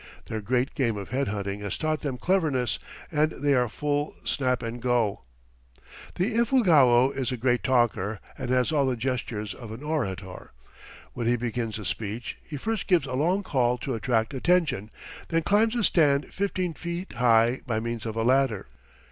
Their great game of head hunting has taught them cleverness, and they are full of snap and go. The Ifugao is a great talker and has all the gestures of an orator. When he begins a speech he first gives a long call to attract attention, then climbs a stand fifteen feet high by means of a ladder.